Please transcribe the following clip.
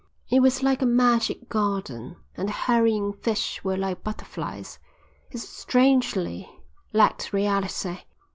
It was like a magic garden, and the hurrying fish were like butterflies. It strangely lacked reality.